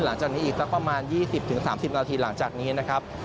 หลังจากนี้อีกสักประมาณ๒๐๓๐นาทีหลังจากนี้นะครับ